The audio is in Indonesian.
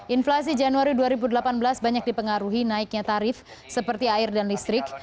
inflasi januari dua ribu delapan belas banyak dipengaruhi naiknya tarif seperti air dan listrik